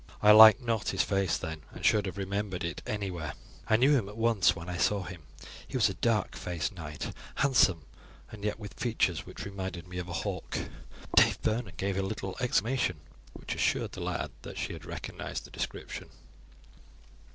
I liked not his face then, and should have remembered it anywhere. I knew him at once when I saw him. He was a dark faced knight, handsome, and yet with features which reminded me of a hawk." Dame Vernon gave a little exclamation, which assured the lad that she recognized the description.